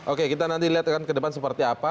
oke kita nanti lihat kan ke depan seperti apa